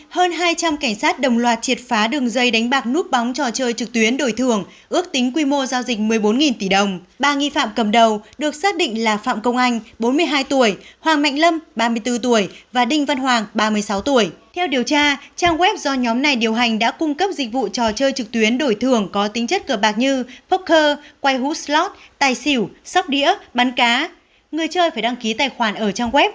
hãy đăng ký kênh để ủng hộ kênh của chúng mình nhé